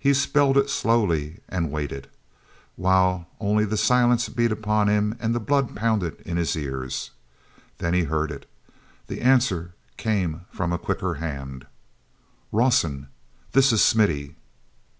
He spelled it slowly and waited, while only the silence beat upon him and the blood pounded in his ears. Then he heard it. The answer came from a quicker hand: "Rawson—this is Smithy."